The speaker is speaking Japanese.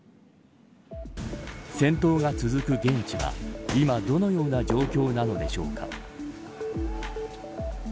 戦闘が続く現地は、今どのような状況なのでしょうか。